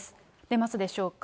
出ますでしょうか。